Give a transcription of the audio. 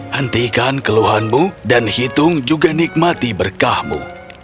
hentikan keluhanmu dan hitung juga nikmati berkahmu